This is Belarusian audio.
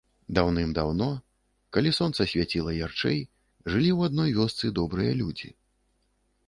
Даўным-даўно, калі сонца свяціла ярчэй, жылі ў адной весцы добрыя людзі.